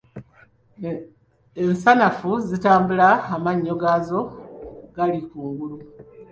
Ensanafu zitambula amannyo gaazo gali ku ngulu.